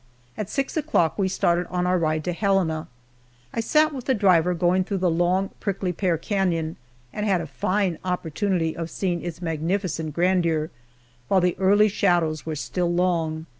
At six o'clock we started on our ride to Helena. I sat with the driver going through the long Prickly Pear canon, and had a fine opportunity of seeing its magnificent grandeur, while the early shadows were still long.